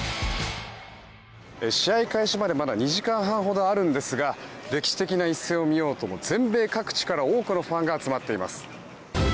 試合開始までまだ２時間半ほどあるんですが歴史的な一戦を見ようと全米各地から多くのファンが集まっています。